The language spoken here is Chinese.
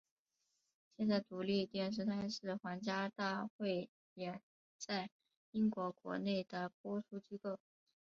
现在独立电视台是皇家大汇演在英国国内的播出机构。